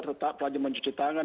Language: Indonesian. tetap lanjut mencuci tangan